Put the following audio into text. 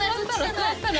座ったら？